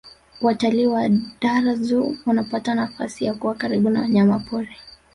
watalii wa dar zoo wanapata nafasi ya kuwa karibu na wanyamapori